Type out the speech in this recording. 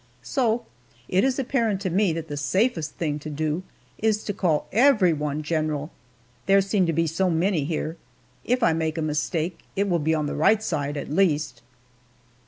So it is apparent to me that the safest thing to do is to call everyone general there seem to be so many here. If I make a mistake, it will be on the right side, at least.